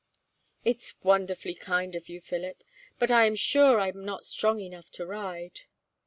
"It is wonderfully kind of you, Philip; but I am sure I am not strong enough to ride."